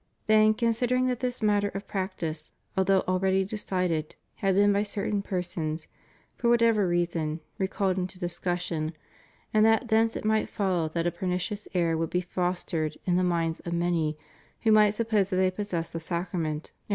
Then, considering that this matter of practice, although already decided, had been by certain persons, for whatever reason, re called into discussion, and that thence it might follow that a pernicious error would be fostered in the minds of many who might suppose that they possessed the Sacrament and ANGLICAN ORDERS.